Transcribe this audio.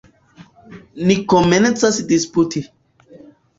Ni komencas disputi.